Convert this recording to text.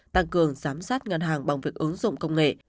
tăng cường giám sát ngân hàng bằng việc ứng dụng công nghệ